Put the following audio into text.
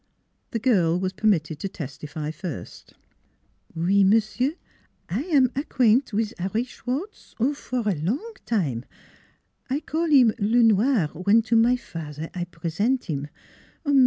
... The girl was permitted to testify first. " Oui, m'sieu', I am acquaint wiz 'Arry Sch wartz. ... Oh, for long time. I call heem Le Noir w'en to my fat'er I present heem.